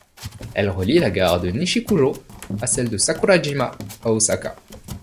Elle relie la gare de Nishikujō à celle de Sakurajima à Osaka.